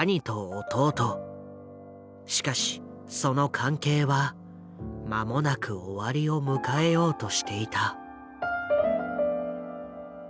しかしその関係は間もなく終わりを迎えようとしていた。